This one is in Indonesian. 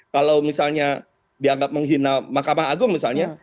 kalau misalnya dianggap menghina mahkamah agung misalnya